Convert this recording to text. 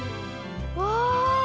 わあ。